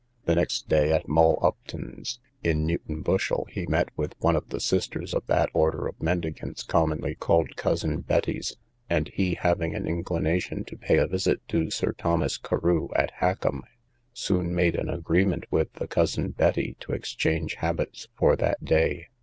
The next day, at Moll Upton's, in Newton Bushel, he met with one of the sisters of that order of mendicants commonly called cousin Betties; and he, having an inclination to pay a visit to Sir Thomas Carew, at Hackum, soon made an agreement with the cousin Betty to exchange habits for that day.